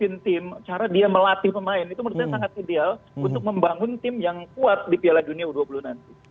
itu menurut saya sangat ideal untuk membangun tim yang kuat di piala dunia u dua puluh nanti